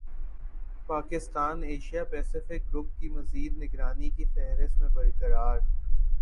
Pakistan Asia Pacific group کی مزید نگرانی کی فہرست میں برقرار